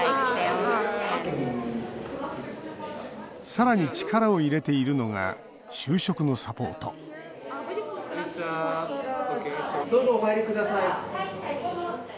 さらに力を入れているのが就職のサポートどうぞ、お入りください。